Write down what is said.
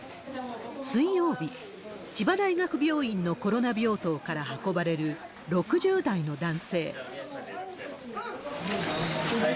水曜日、千葉大学病院のコロナ病棟から運ばれる６０代の男性。